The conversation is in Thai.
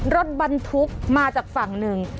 รถบรรทุกมาจากฝั่งหนึ่ง